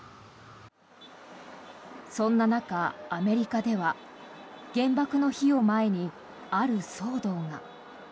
そんな中、アメリカでは原爆の日を前に、ある騒動が。